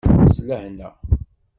S lehna.